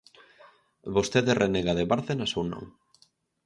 ¿Vostede renega de Bárcenas ou non?